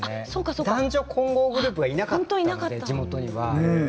男女混合グループがいなかったので地元には。